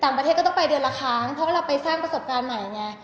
ต่างประเทศก็ต้องไปเดือนละครั้งเพราะว่าเราไปสร้างประสบการณ์ใหม่ไง